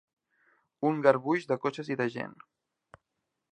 Un garbuix de cotxes i de gent.